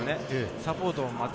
サポートを待つ。